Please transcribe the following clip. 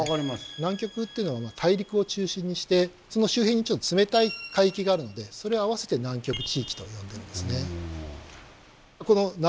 南極っていうのは大陸を中心にしてその周辺に冷たい海域があるのでそれを合わせて「南極地域」と呼んでるんですね。